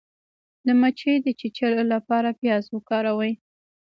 د مچۍ د چیچلو لپاره پیاز وکاروئ